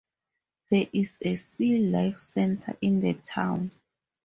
There is a Sea Life Centre in the town.